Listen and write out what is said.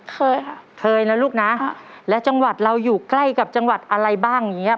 เคยค่ะเคยนะลูกนะและจังหวัดเราอยู่ใกล้กับจังหวัดอะไรบ้างอย่างเงี้